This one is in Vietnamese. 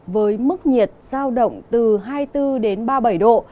với mức nhiệt giao động từ hai mươi bốn ba mươi bảy độ